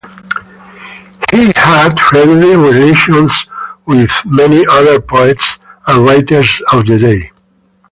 He had friendly relations with many other poets and writers of the day.